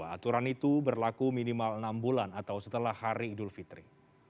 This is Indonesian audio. aturan itu berlaku minimal enam bulan atau setelah hari idul fitri